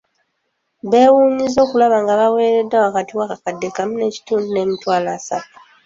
Beewunyizza okulaba nga baaweereddwa wakati w'akakadde akamu n'ekitundu n'emitwalo asatu.